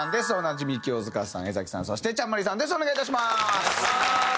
お願いします！